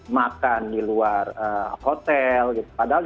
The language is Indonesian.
makan di luar hotel